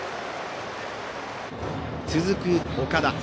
続く岡田。